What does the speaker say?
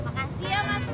makasih ya mas pur